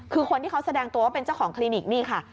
คือคนที่เขาแสดงตัวว่าเป็นเจ้าของคลินิกนี่ค่ะ